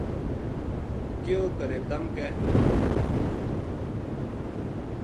کہیو کَدے تَم کہہ